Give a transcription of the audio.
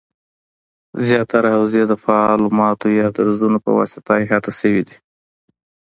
زیاتره حوزې د فعالو ماتو یا درزونو پواسطه احاطه شوي دي